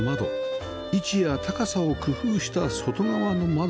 位置や高さを工夫した外側の窓